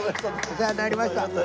お世話になりました。